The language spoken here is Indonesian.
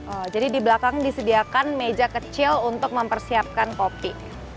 oh jadi di belakang disediakan meja kecil untuk mempersiapkan kopi